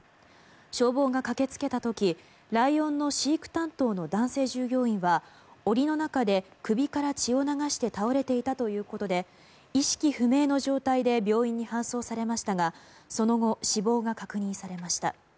消防が駆け付けた時ライオンの飼育担当の男性従業員は檻の中で首から血を流して倒れていたということで意識不明の状態で病院に搬送されましたがその後、死亡が確認されました。